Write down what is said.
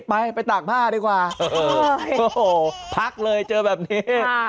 ไปไปตากผ้าดีกว่าโอ้โหพักเลยเจอแบบนี้